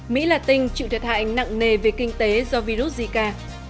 mỹ latin chịu thiệt hại nặng nề về kinh tế do virus zika